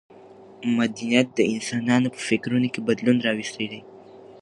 مدنیت د انسانانو په فکرونو کې بدلون راوستی دی.